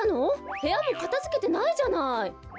へやもかたづけてないじゃない。